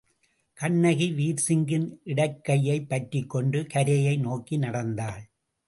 கண்ணகி வீர்சிங்கின் இடக்கையைப் பற்றிக்கொண்டு கரையை நோக்கி நடந்தாள்.